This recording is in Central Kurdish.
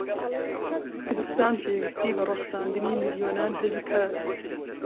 کوردستان پێویستیی بە ڕەخساندنی ملیۆنان هەلی کارە.